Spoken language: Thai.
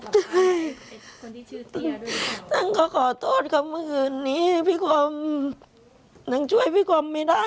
จ้างก็ขอโทษคำผิดนี้พี่ความจ้างช่วยพี่ความไม่ได้นะ